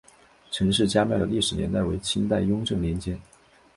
陈氏家庙的历史年代为清代雍正年间。